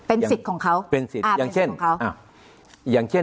เป็นสิทธิ์ของเขาเป็นสิทธิ์อ่าเป็นสิทธิ์ของเขาเป็นสิทธิ์อย่างเช่น